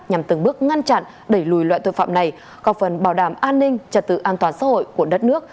nhằm từng bước ngăn chặn đẩy lùi loại tội phạm này có phần bảo đảm an ninh trật tự an toàn xã hội của đất nước